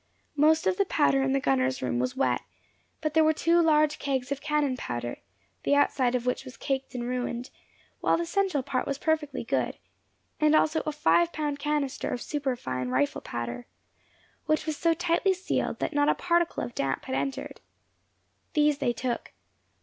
Most of the powder in the gunner's room was wet, but there were two large kegs of cannon powder, the outside of which was caked and ruined, while the central part was perfectly good, and also a five pound canister of superfine rifle powder, which was so tightly sealed that not a particle of damp had entered. These they took.